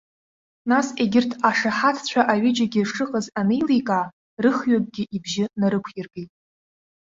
Нас егьырҭ ашаҳаҭцәа аҩыџьагьы шыҟаз анеиликаа, рыхҩыкгьы ибжьы нарықәиргеит.